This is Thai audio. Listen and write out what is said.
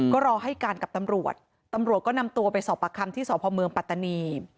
ก็รอให้การกับตำรวจตำรวจก็นำตัวไปสอบปากคำที่สพเมืองปัตตานี